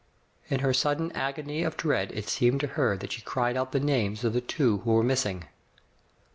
In her sudden agony of dread it seemed to her that she cried out the names of the two who were missing.